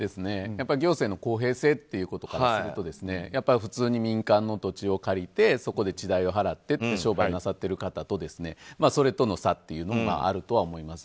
行政の公平性っていうことからするとやっぱり普通に民間の土地を借りてそこで地代を払って商売をなさっている方とそれとの差というのがあるとは思います。